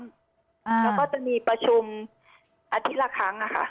แล้วก็จะมีประชุมอาทิตย์ละครั้งนะคะ